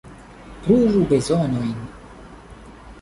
Pruvu bezonojn.